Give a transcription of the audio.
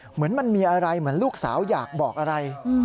เหมือนมันมีอะไรเหมือนลูกสาวอยากบอกอะไร